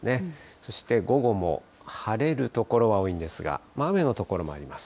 そして午後も晴れる所は多いんですが、雨の所もあります。